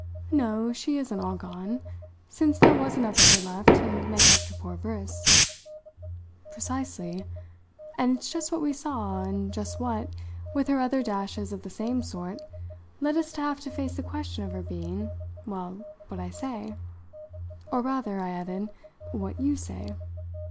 "No, she isn't all gone, since there was enough of her left to make up to poor Briss." "Precisely and it's just what we saw, and just what, with her other dashes of the same sort, led us to have to face the question of her being well, what I say. Or rather," I added, "what you say.